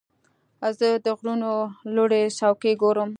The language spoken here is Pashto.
زه د غرونو لوړې څوکې ګورم.